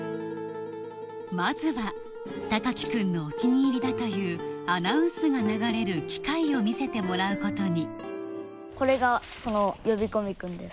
まずは天輝くんのお気に入りだというアナウンスが流れる機械を見せてもらうことにこれがその「呼び込み君」です。